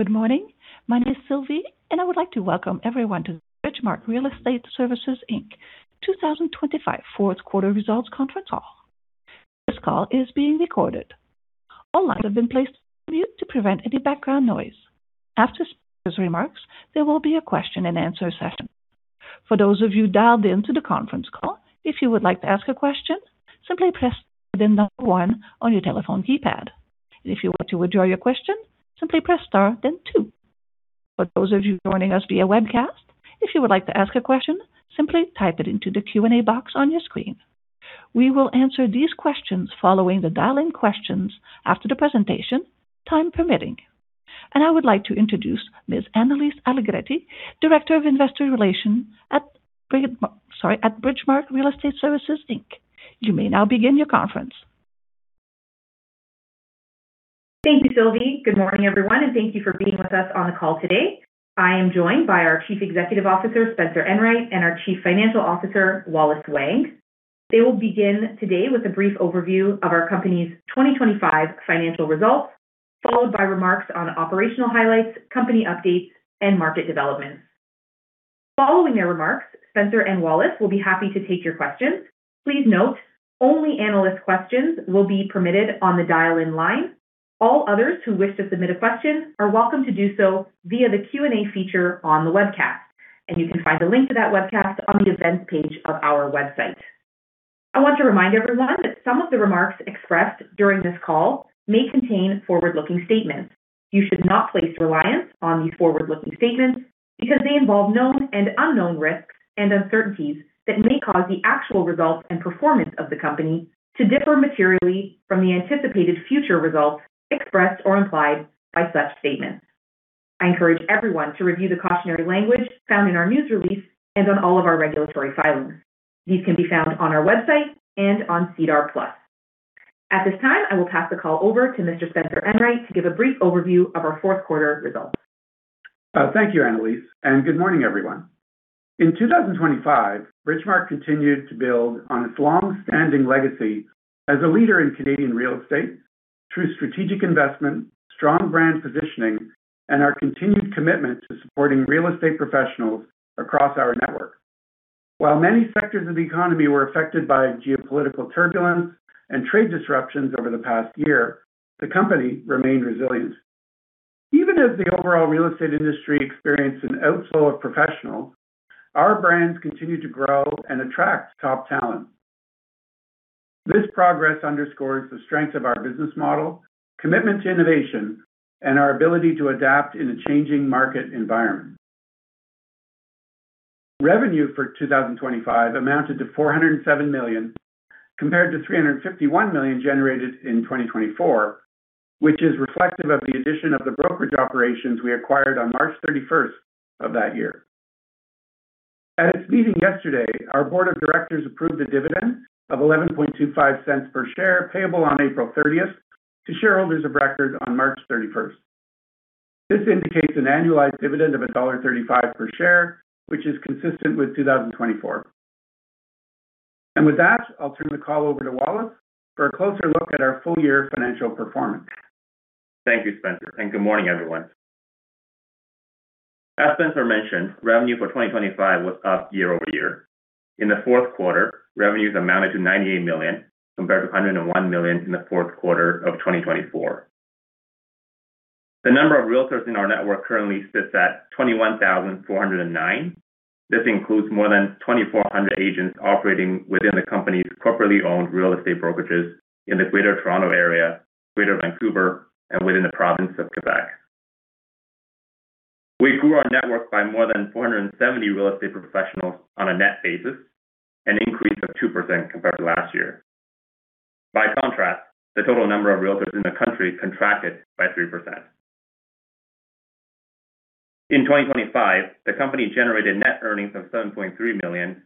Good morning. My name is Sylvie, and I would like to welcome everyone to Bridgemarq Real Estate Services Inc. 2025 fourth quarter results conference call. This call is being recorded. All lines have been placed on mute to prevent any background noise. After the speaker's remarks, there will be a question and answer session. For those of you dialed in to the conference call, if you would like to ask a question, simply press star then one on your telephone keypad. If you want to withdraw your question, simply press star then two. For those of you joining us via webcast, if you would like to ask a question, simply type it into the Q&A box on your screen. We will answer these questions following the dial-in questions after the presentation, time permitting. I would like to introduce Ms. Anne-Elise Cugliari Allegritti, Director of Investor Relations at Bridgemarq Real Estate Services Inc. You may now begin your conference. Thank you, Sylvie. Good morning, everyone, and thank you for being with us on the call today. I am joined by our Chief Executive Officer, Spencer Enright, and our Chief Financial Officer, Wallace Wang. They will begin today with a brief overview of our company's 2025 financial results, followed by remarks on operational highlights, company updates, and market developments. Following their remarks, Spencer and Wallace will be happy to take your questions. Please note, only analyst questions will be permitted on the dial-in line. All others who wish to submit a question are welcome to do so via the Q&A feature on the webcast. You can find the link to that webcast on the events page of our website. I want to remind everyone that some of the remarks expressed during this call may contain forward-looking statements. You should not place reliance on these forward-looking statements because they involve known and unknown risks and uncertainties that may cause the actual results and performance of the company to differ materially from the anticipated future results expressed or implied by such statements. I encourage everyone to review the cautionary language found in our news release and on all of our regulatory filings. These can be found on our website and on SEDAR+. At this time, I will pass the call over to Mr. Spencer Enright to give a brief overview of our fourth quarter results. Thank you, Anne-Elise, and good morning, everyone. In 2025, Bridgemarq continued to build on its long-standing legacy as a leader in Canadian real estate through strategic investment, strong brand positioning, and our continued commitment to supporting real estate professionals across our network. While many sectors of the economy were affected by geopolitical turbulence and trade disruptions over the past year, the company remained resilient. Even as the overall real estate industry experienced an outflow of professionals, our brands continued to grow and attract top talent. This progress underscores the strength of our business model, commitment to innovation, and our ability to adapt in a changing market environment. Revenue for 2025 amounted to 407 million, compared to 351 million generated in 2024, which is reflective of the addition of the brokerage operations we acquired on March 31st of that year. At its meeting yesterday, our Board of Directors approved a dividend of 0.1125 per share payable on April 30th to shareholders of record on March 31st. This indicates an annualized dividend of dollar 1.35 per share, which is consistent with 2024. With that, I'll turn the call over to Wallace for a closer look at our full year financial performance. Thank you, Spencer, and good morning, everyone. As Spencer mentioned, revenue for 2025 was up year-over-year. In the fourth quarter, revenues amounted to 98 million compared to 101 million in the fourth quarter of 2024. The number of realtors in our network currently sits at 21,409. This includes more than 2,400 agents operating within the company's corporately owned real estate brokerages in the Greater Toronto Area, Greater Vancouver, and within the province of Quebec. We grew our network by more than 470 real estate professionals on a net basis, an increase of 2% compared to last year. By contrast, the total number of realtors in the country contracted by 3%. In 2025, the company generated net earnings of 7.3 million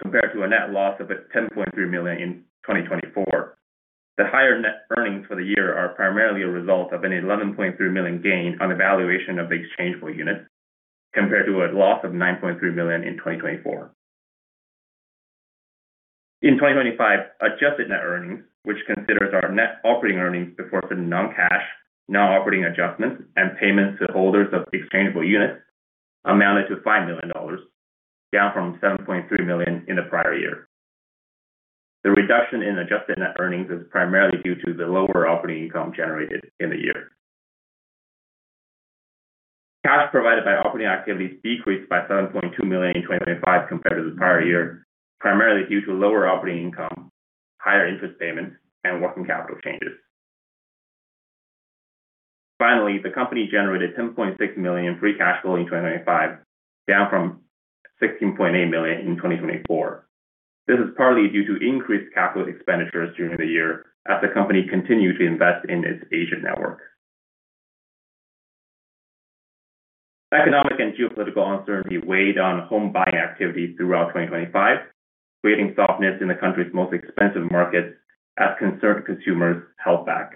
compared to a net loss of 10.3 million in 2024. The higher net earnings for the year are primarily a result of a 11.3 million gain on the valuation of the exchangeable units compared to a loss of 9.3 million in 2024. In 2025, Adjusted net earnings, which considers our net operating earnings before certain non-cash, non-operating adjustments and payments to holders of the exchangeable units, amounted to 5 million dollars, down from 7.3 million in the prior year. The reduction in Adjusted net earnings is primarily due to the lower operating income generated in the year. Cash provided by operating activities decreased by 7.2 million in 2025 compared to the prior year, primarily due to lower operating income, higher interest payments, and working capital changes. Finally, the company generated 10.6 million free cash flow in 2025, down from 16.8 million in 2024. This is partly due to increased capital expenditures during the year as the company continued to invest in its agent network. Economic and geopolitical uncertainty weighed on home buying activity throughout 2025, creating softness in the country's most expensive markets as concerned consumers held back.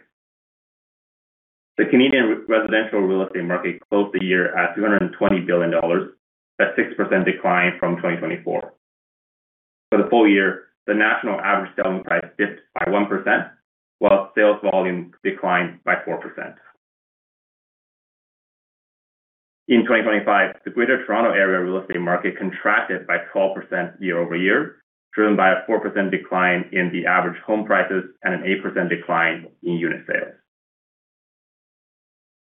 The Canadian residential real estate market closed the year at 220 billion dollars, a 6% decline from 2024. For the full year, the national average selling price dipped by 1%, while sales volume declined by 4%. In 2025, the Greater Toronto Area real estate market contracted by 12% year-over-year, driven by a 4% decline in the average home prices and an 8% decline in unit sales.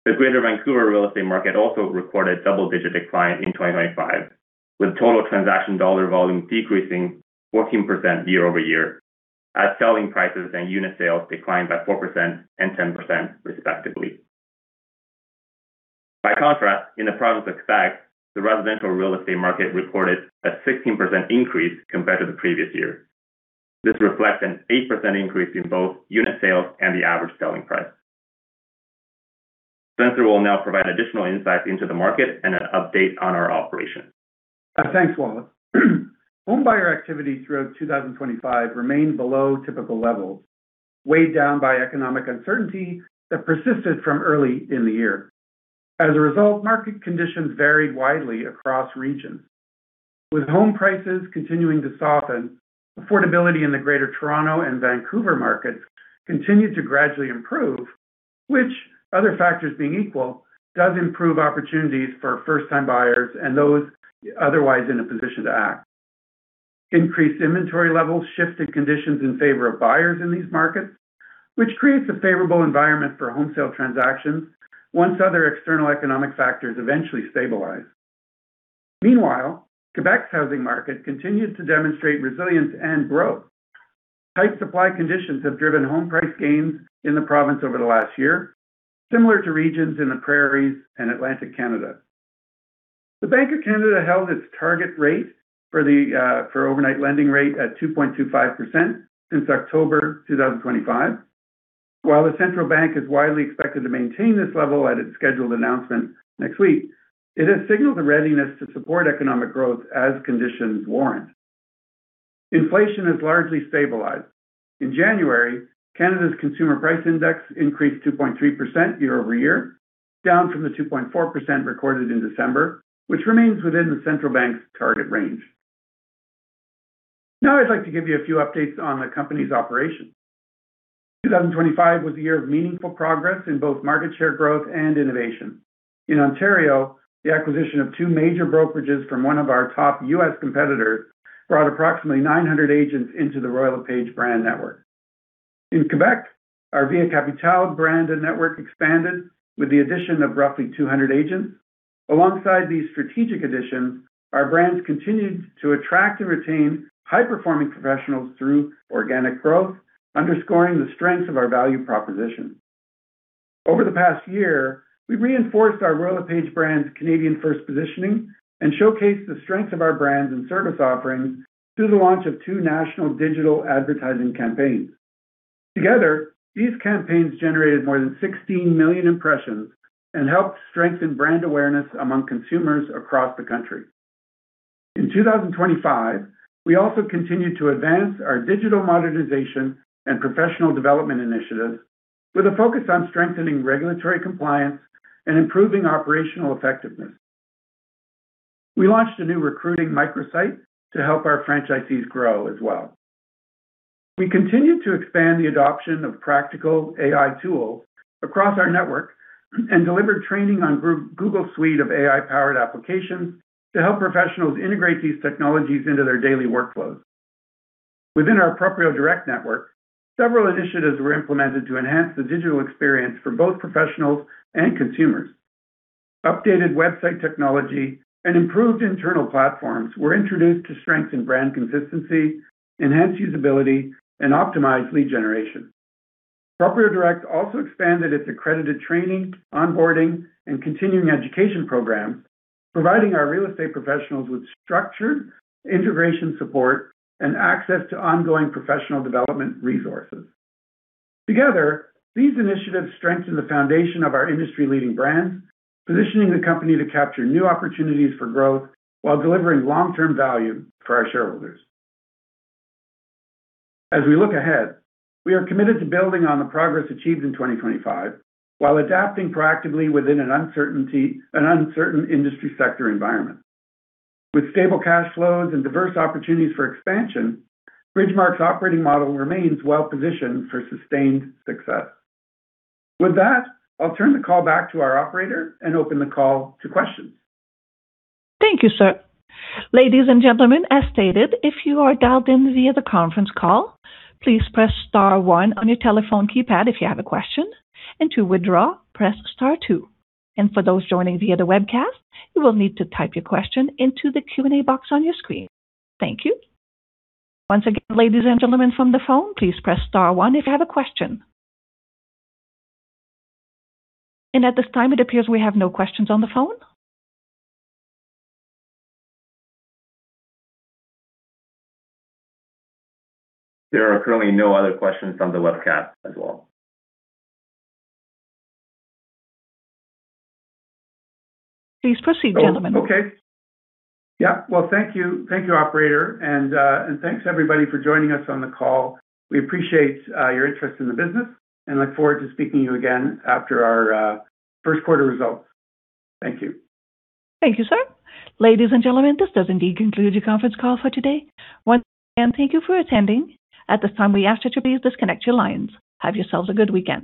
The Greater Vancouver real estate market also recorded double-digit decline in 2025, with total transaction dollar volume decreasing 14% year-over-year, as selling prices and unit sales declined by 4% and 10% respectively. By contrast, in the province of Quebec, the residential real estate market reported a 16% increase compared to the previous year. This reflects an 8% increase in both unit sales and the average selling price. Spencer will now provide additional insights into the market and an update on our operations. Thanks, Wallace. Home buyer activity throughout 2025 remained below typical levels, weighed down by economic uncertainty that persisted from early in the year. As a result, market conditions varied widely across regions. With home prices continuing to soften, affordability in the Greater Toronto and Vancouver markets continued to gradually improve, which other factors being equal, does improve opportunities for first-time buyers and those otherwise in a position to act. Increased inventory levels shifted conditions in favor of buyers in these markets, which creates a favorable environment for home sale transactions once other external economic factors eventually stabilize. Meanwhile, Quebec's housing market continued to demonstrate resilience and growth. Tight supply conditions have driven home price gains in the province over the last year, similar to regions in The Prairies and Atlantic Canada. The Bank of Canada held its target rate for the overnight lending rate at 2.25% since October 2025. While the central bank is widely expected to maintain this level at its scheduled announcement next week, it has signaled a readiness to support economic growth as conditions warrant. Inflation has largely stabilized. In January, Canada's Consumer Price Index increased 2.3% year-over-year, down from the 2.4% recorded in December, which remains within the Central Bank's target range. Now I'd like to give you a few updates on the company's operations. 2025 was a year of meaningful progress in both market share growth and innovation. In Ontario, the acquisition of two major brokerages from one of our top U.S. competitors brought approximately 900 agents into the Royal LePage brand network. In Quebec, our Via Capitale brand and network expanded with the addition of roughly 200 agents. Alongside these strategic additions, our brands continued to attract and retain high-performing professionals through organic growth, underscoring the strength of our value proposition. Over the past year, we've reinforced our Royal LePage brand's Canadian-first positioning and showcased the strength of our brands and service offerings through the launch of two national digital advertising campaigns. Together, these campaigns generated more than 16 million impressions and helped strengthen brand awareness among consumers across the country. In 2025, we also continued to advance our digital modernization and professional development initiatives with a focus on strengthening regulatory compliance and improving operational effectiveness. We launched a new recruiting microsite to help our franchisees grow as well. We continued to expand the adoption of practical AI tools across our network and delivered training on Google Suite of AI-powered applications to help professionals integrate these technologies into their daily workflows. Within our Proprio Direct network, several initiatives were implemented to enhance the digital experience for both professionals and consumers. Updated website technology and improved internal platforms were introduced to strengthen brand consistency, enhance usability and optimize lead generation. Proprio Direct also expanded its accredited training, onboarding, and continuing education programs, providing our real estate professionals with structured integration support and access to ongoing professional development resources. Together, these initiatives strengthen the foundation of our industry-leading brands, positioning the company to capture new opportunities for growth while delivering long-term value for our shareholders. As we look ahead, we are committed to building on the progress achieved in 2025 while adapting proactively within an uncertain industry sector environment. With stable cash flows and diverse opportunities for expansion, Bridgemarq's operating model remains well-positioned for sustained success. With that, I'll turn the call back to our operator and open the call to questions. Thank you, sir. Ladies and gentlemen, as stated, if you are dialed in via the conference call, please press star one on your telephone keypad if you have a question, and to withdraw, press star two. For those joining via the webcast, you will need to type your question into the Q&A box on your screen. Thank you. Once again, ladies and gentlemen, from the phone, please press star one if you have a question. At this time, it appears we have no questions on the phone. There are currently no other questions on the webcast as well. Please proceed, gentlemen. Okay. Yeah. Well, thank you. Thank you, operator, and thanks everybody for joining us on the call. We appreciate your interest in the business and look forward to speaking to you again after our first quarter results. Thank you. Thank you, sir. Ladies and gentlemen, this does indeed conclude the conference call for today. Once again, thank you for attending. At this time, we ask that you please disconnect your lines. Have yourselves a good weekend.